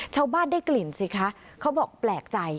ชาวบ้านได้กลิ่นสิคะเขาบอกแปลกใจ